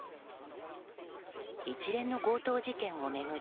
一連の強盗事件を巡り